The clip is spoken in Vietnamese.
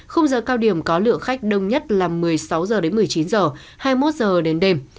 khung giờ cao điểm có lượng khách đông nhất là một mươi sáu giờ đến một mươi chín giờ hai mươi một giờ đến đêm